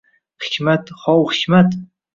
Hikmat, hov, Hikmat!